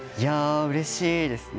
うれしいですね。